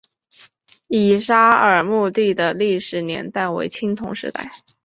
乙沙尔墓地的历史年代为青铜时代。